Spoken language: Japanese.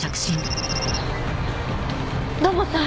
土門さん